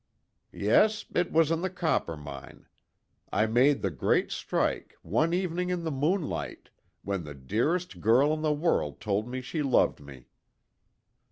"Yes, it was on the Coppermine. I made the great strike, one evening in the moonlight when the dearest girl in the world told me she loved me."